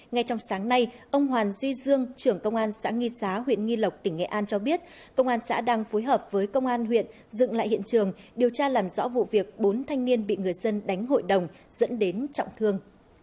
ngay trong sáng nay ông hoàng duy dương trưởng công an xã nghi xá huyện nghi lộc tỉnh nghệ an cho biết công an xã đang phối hợp với công an huyện dựng lại hiện trường điều tra làm rõ vụ việc bốn thanh niên bị người dân đánh hội đồng dẫn đến trọng thương